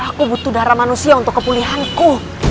aku butuh darah manusia untuk kepulihanku